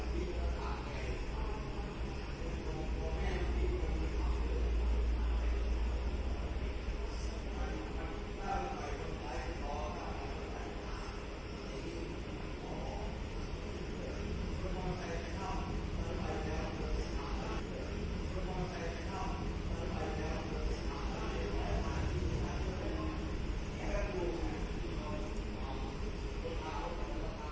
โปรดติดตามตอนต่อไป